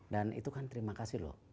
dan itu kan terima kasih loh